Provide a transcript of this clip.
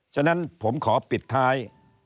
ฉะนั้นผมขอปิดท้าย